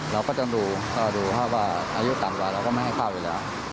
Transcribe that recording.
แล้วก็เราก็จะสภาพเท่าไหร่